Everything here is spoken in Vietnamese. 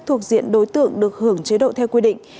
thuộc diện đối tượng được hưởng chế độ theo quy định